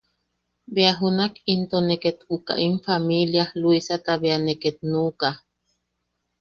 Bea junak into ne ket uka im familia Luisata be ne ket nuʼuka.